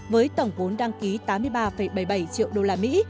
với tổng vốn đăng ký tám mươi ba bảy mươi bảy triệu đô la mỹ